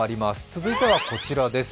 続いてはこちらです。